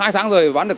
hai tháng rồi bán được